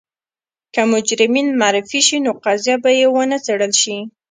که مجرمین معرفي شي نو قضیه به یې ونه څېړل شي.